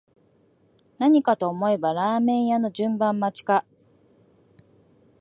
何かと思えばラーメン屋の順番待ちか